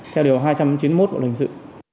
theo điều hai trăm chín mươi một bộ luật hình sự